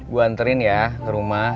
gue anterin ya ke rumah